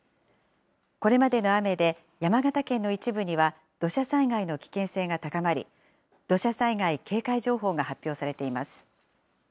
これまでの雨で、山形県の一部には、土砂災害の危険性が高まり、土砂災害警戒情報が発表されています。